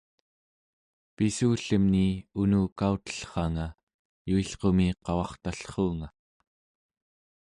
pissullemni unukautellranga yuilqumi qavartallruunga